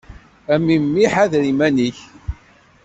A memmi ḥader iman-ik.